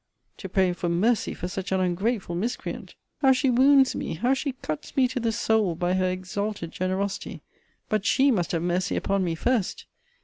To pray for mercy for such an ungrateful miscreant! how she wounds me, how she cuts me to the soul, by her exalted generosity! But SHE must have mercy upon me first!